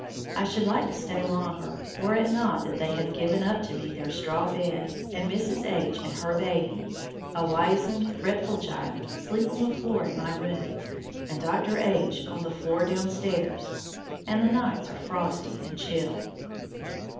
I should like to stay longer, were it not that they have given up to me their straw bed, and Mrs. H. and her baby, a wizened, fretful child, sleep on the floor in my room, and Dr. H. on the floor downstairs, and the nights are frosty and chill.